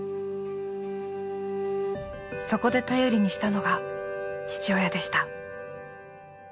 そこで頼りにしたのが父親でした。